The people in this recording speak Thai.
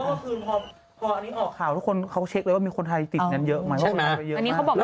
ข่าวทุกคนเขาเช็กว่ามีคนไทยติดอยู่มันเยอะ